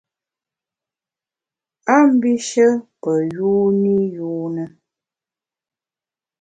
A mbishe pe yuni yune.